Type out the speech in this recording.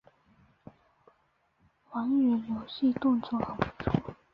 还原游戏动作很不错